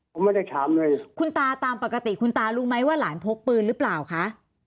ผมไม่ได้ถามเลยคุณตาตามปกติคุณตารู้ไหมว่าหลานพกปืนหรือเปล่าคะ